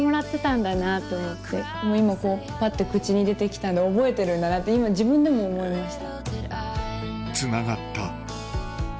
今パッて口に出てきたの覚えてるんだなって今自分でも思いました。